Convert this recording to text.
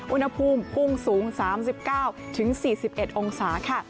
อุณหภูมิพุ่งสูง๓๙๔๑องศาค่ะ